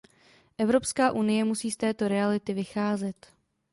Evropská unie musí z této reality vycházet.